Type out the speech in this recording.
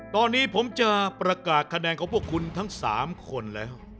ตอนนี้ผมจะประกาศคะแนนของพวกคุณทั้ง๓คนแล้ว